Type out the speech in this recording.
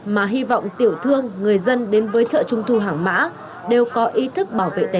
mà hy vọng tiểu thương người dân đến với chợ trung thu hàng mã đều có ý thức bảo vệ tài sản